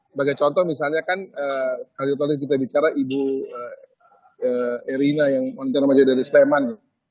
sebagai contoh misalnya kan kali ini kita bicara ibu erina yang nama dia dari sleman